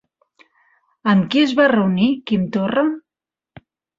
Amb qui es va reunir Quim Torra?